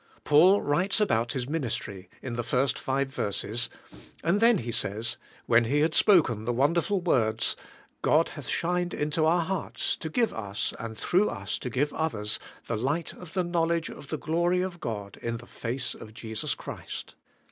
Paul writes about his ministry, in the first five verses, and then he says, when he had spoken the wonderful words, "God hath shined into our hearts, to give us, and through us to give others, the light of the knowl edge of the glory of God in the face of Jesus Christ."